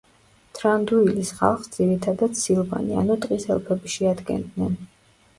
თრანდუილის ხალხს ძირითადად სილვანი, ანუ ტყის ელფები შეადგენდნენ.